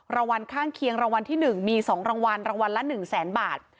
รางวัลข้างเคียงรางวัลที่๑มี๒รางวัลรางวัลละ๑แสนบาท